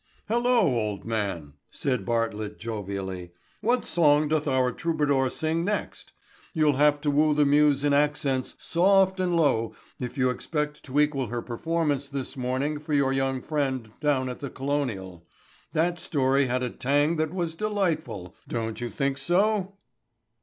"Hello, old man," said Bartlett jovially. "What song doth our troubadour sing next? You'll have to woo the muse in accents soft and low if you expect to equal her performance this morning for your young friend down at the Colonial. That story had a tang that was delightful. Don't you think so?"